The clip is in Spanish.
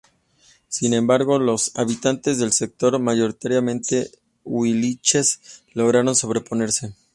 Sin embargo, los habitantes del sector, mayoritariamente huilliches, lograron sobreponerse.